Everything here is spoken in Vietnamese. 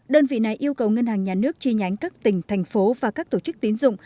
đơn vị này yêu cầu ngân hàng nhà nước chi nhánh các tỉnh thành phố và các tổ chức tín dụng